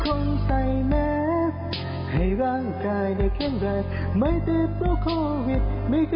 โดนโรงคนไทยใส่หน้ากากอนามัยป้องกันโควิด๑๙กันอีกแล้วค่ะ